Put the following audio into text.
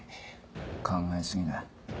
考え過ぎだ。